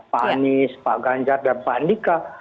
pak anies pak ganjar dan pak andika